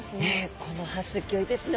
この歯すギョいですね。